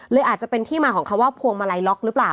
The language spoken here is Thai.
อาจจะเป็นที่มาของคำว่าพวงมาลัยล็อกหรือเปล่า